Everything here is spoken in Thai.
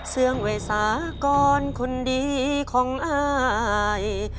เสื่องไว้สาก่อนคุณดีของอาย